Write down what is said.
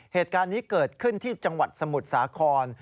เหตุการณ์นี้เกิดขึ้นที่จังหวัดสมุทรสาคร